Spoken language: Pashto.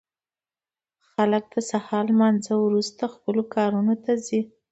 خلک د سهار له لمانځه وروسته خپلو کارونو ته ځي.